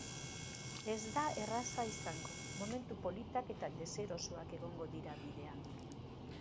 Ez da erraza izango, momentu politak eta deserosoak egongo dira bidean.